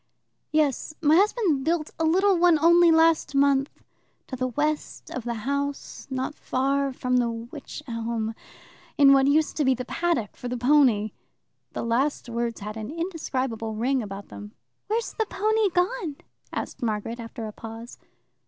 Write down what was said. "Yes. My husband built a little one only last month, to the west of the house, not far from the wych elm, in what used to be the paddock for the pony." The last words had an indescribable ring about them. "Where's the pony gone?" asked Margaret after a pause.